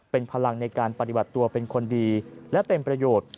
เป็นพลังในการปฏิบัติตัวเป็นคนดีและเป็นประโยชน์